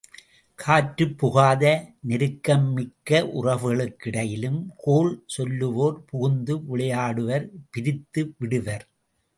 காற்றுப் புகாத நெருக்கமிக்க உறவுகளுக்கிடையிலும் கோள் சொல்லுவோர் புகுந்து விளையாடுவர் பிரித்து விடுவர்.